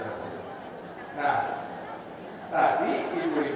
nah tadi ibu ibu